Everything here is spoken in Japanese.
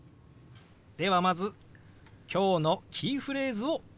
ではまず今日のキーフレーズを見てみましょう。